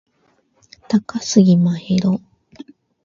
高杉真宙